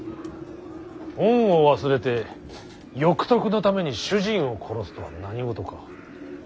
恩を忘れて欲得のために主人を殺すとは何事か。